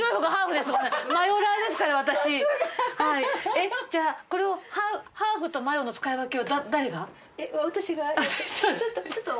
えっじゃあこれをハーフとマヨの使い分けを誰が？